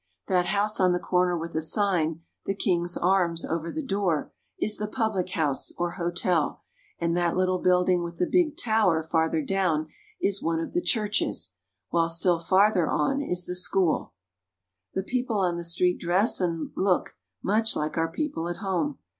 That house on the corner, with a sign " The King's Arms " over the door, is the public house or hotel, and that little building with the big tower farther down is one of the churches, while still farther on is the school. "— still farther on is the school." The people on the street dress and look much like our people at home.